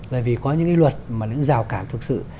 bởi vì có những cái luật mà nó dào cản thực sự